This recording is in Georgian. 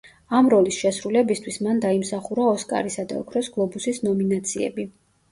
ამ როლის შესრულებისთვის მან დაიმსახურა ოსკარისა და ოქროს გლობუსის ნომინაციები.